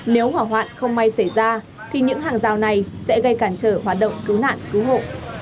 nếu hỏa hoạn không may xảy ra thì những hàng rào này sẽ gây cản trở hoạt động cứu nạn cứu hộ